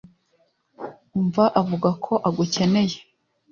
umva avuga ko agukeneye